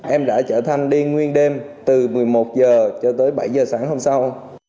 em đã chở thanh đi nguyên đêm từ một mươi một h cho tới bảy h sáng hôm sau